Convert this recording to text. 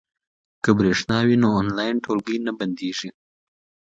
که برېښنا وي نو آنلاین ټولګی نه بندیږي.